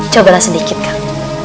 cobalah sedikit kang